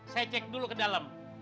saya cek dulu ke dalam